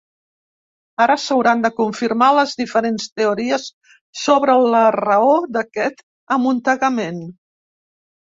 Ara, s’hauran de confirmar les diferents teories sobre la raó d’aquest amuntegament.